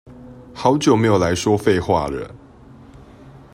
好久沒有來說廢話惹